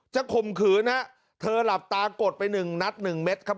ข่มขืนฮะเธอหลับตากดไปหนึ่งนัดหนึ่งเม็ดครับ